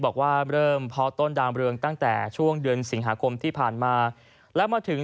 บอกว่าเริ่มเพาะต้นดามเรืองตั้งแต่ช่วงเดือนสิงหาคมที่ผ่านมาแล้วมาถึง